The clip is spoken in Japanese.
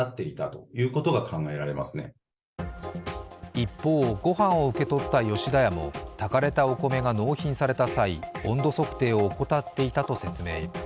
一方、ごはんを受け取った吉田屋も炊かれたお米が納品された際、温度測定を怠っていたと説明。